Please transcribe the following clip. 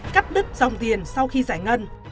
cắt đứt dòng tiền sau khi giải ngân